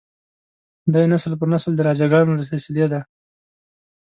دی نسل پر نسل د راجه ګانو له سلسلې دی.